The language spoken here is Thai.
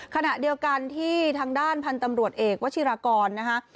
ขณะเดียวกันที่ทางด้านพันธุ์ตำรวจเอกวชิรากรนะคะ